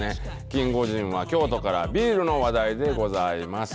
キンゴジンは、京都からビールの話題でございます。